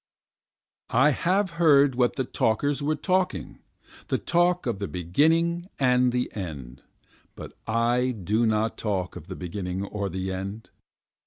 3 I have heard what the talkers were talking, the talk of the beginning and the end, But I do not talk of the beginning or the end.